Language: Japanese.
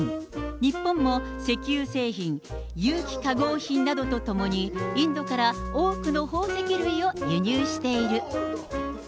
日本も石油製品、有機化合品などとともに、インドから多くの宝石類を輸入している。